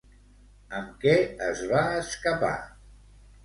Amb què es va escapar?